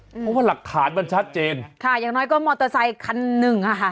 เพราะว่าหลักฐานมันชัดเจนค่ะอย่างน้อยก็มอเตอร์ไซคันหนึ่งอ่ะค่ะ